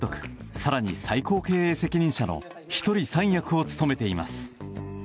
更に、最高経営責任者の１人３役を務めています。